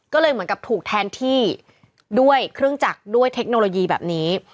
ก็เลยเหมือนกับถูกแทนที่ด้วยเครื่องจักรด้วยเทคโนโลยีแบบนี้